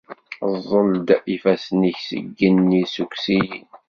Ẓẓel-d ifassen-ik seg yigenni, ssukkes-iyi-d!